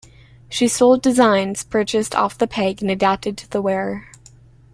She sold designs purchased off the peg and adapted to the wearer.